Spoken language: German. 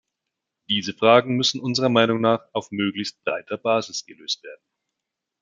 Diese Fragen müssen unserer Meinung nach auf möglichst breiter Basis gelöst werden.